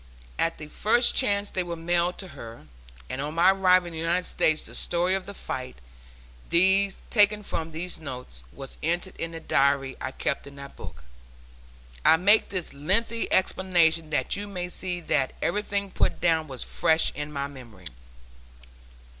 At the first chance they were mailed to her, and on my arrival in the United States the story of the fight, taken from these notes, was entered in the diary I keep in a book. I make this lengthy explanation that you may see that everything put down was fresh in my memory.